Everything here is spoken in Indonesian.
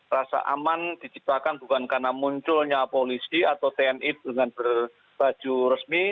rasa aman diciptakan bukan karena munculnya polisi atau tni dengan berbaju resmi